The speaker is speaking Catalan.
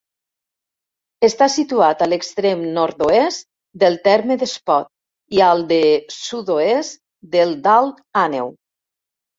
Està situat a l'extrem nord-oest del terme d'Espot i al de sud-oest del d'Alt Àneu.